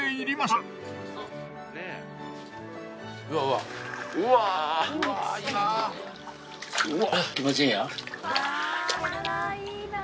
うわぁいいなぁ。